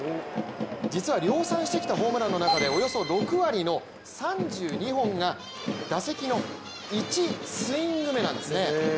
実は量産してきたホームランの中でおよそ６割の３２本が打席の１スイング目なんですね。